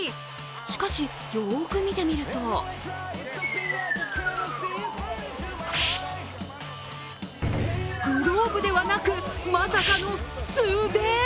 しかし、よく見てみるとグローブではなく、まさかの素手！？